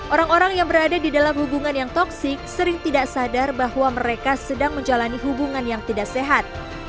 orang orang yang berada di dalam hubungan yang toxic sering tidak sadar bahwa mereka sedang menjalani hubungan yang tidak sehat